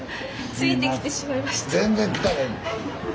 付いてきてしまいました。